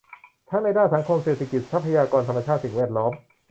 ทั้งในด้านสังคมเศรษฐกิจ ทรัพยากรธรรมชาติ สิ่งแวดล้อม